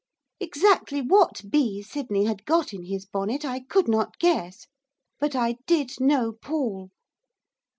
Exactly what bee Sydney had got in his bonnet, I could not guess. But I did know Paul.